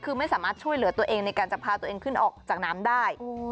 คือไม่สามารถช่วยเหลือตัวเองในการจะพาตัวเองขึ้นออกจากน้ำได้